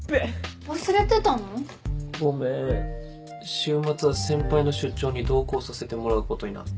週末は先輩の出張に同行させてもらうことになって。